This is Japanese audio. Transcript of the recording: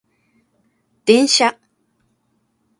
電車